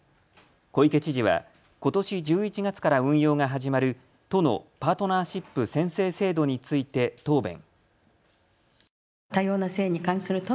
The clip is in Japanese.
小池知事はことし１１月から運用が始まる都のパートナーシップ宣誓制度について答弁。